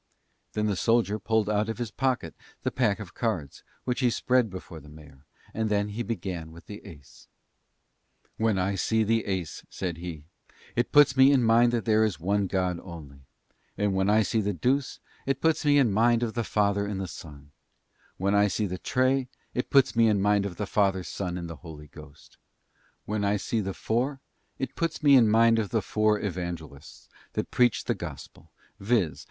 Then the soldier pulled out of his pocket the pack of cards, which he spread before the mayor, and then began with the ace. "When I see the ace," said he, "it puts me in mind that there is one God only; and when I see the deuce, it puts me in mind of the Father and the Son; when I see the tray, it puts me in mind of the Father, Son, and Holy Ghost; When I see the four, it puts me in mind of the four Evangelists that preached the gospel, viz.